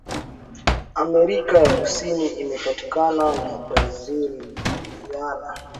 Amerika ya Kusini Imepakana na Brazil Guyana